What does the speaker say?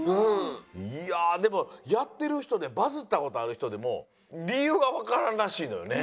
いやでもやってる人でバズったことある人でもりゆうがわからんらしいのよね。